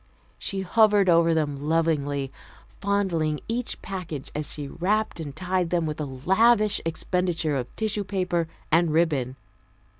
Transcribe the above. She hovered over them lovingly, fondling each package as she wrapped and tied them with a lavish expenditure of tissue paper and ribbon.